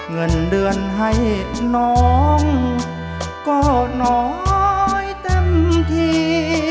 เงินเดือนให้น้องก็น้อยเต็มที